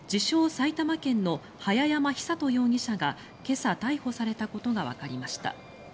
・埼玉県の早山尚人容疑者が今朝、逮捕されたことがわかりました。